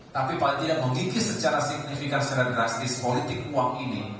tapi paling tidak mengikis secara signifikan secara drastis politik uang ini